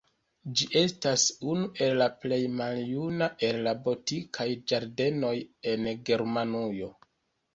Ĝi estas unu el la plej maljuna el la botanikaj ĝardenoj en Germanujo.